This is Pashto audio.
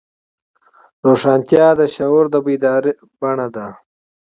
روښانتیا د شعور د بیدارۍ بڼه ده.